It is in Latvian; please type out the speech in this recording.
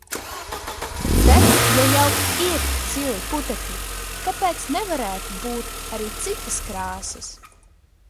Bet, ja jau ir zili putekļi, kāpēc nevarētu būt arī citas krāsas?